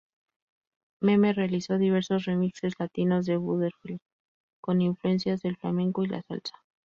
Meme realizó diversos remixes latinos de "Butterfly", con influencias del flamenco y la salsa.